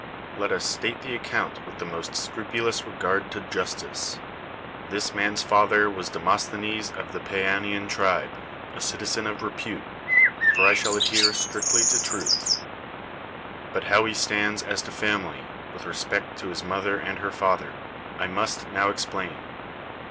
Let us state the account with the 218 ^SCHINES most scrupulous re<^ard to justice. This man's father was Demosthenes of the Pieanian tribe, a citizen of repute (for I shall adhere strictly to truth). But how he stands as to family, with respect to his mother and her father, I must now explain.